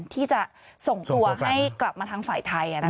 ที่จะส่งตัวให้กลับมาทางฝ่ายไทย